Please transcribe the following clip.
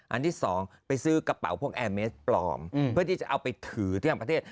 อันที่สองไปซื้อกระเป๋าพวกแอร์เมสปลอมเพื่อที่จะเอาไปถือที่ต่างประเทศ